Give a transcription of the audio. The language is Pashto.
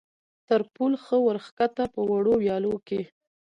تر پل ښه ور کښته، په وړو ویالو کې.